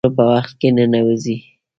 د حملو په وخت کې ننوزي.